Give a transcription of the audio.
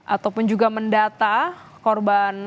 ataupun juga mendata korban